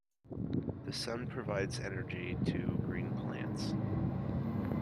The sun provides energy to green plants.